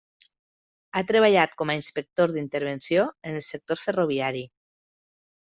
Ha treballat com a inspector d'intervenció en el sector ferroviari.